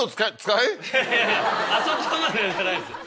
いやいやあそこまでじゃないです。